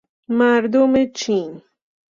مردم چین